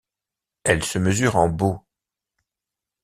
Elle se mesure en baud.